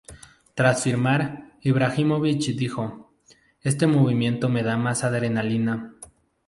Tras firmar, Ibrahimović dijo: "Este movimiento me da más adrenalina.